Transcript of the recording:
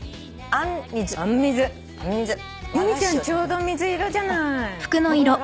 ちょうど水色じゃない。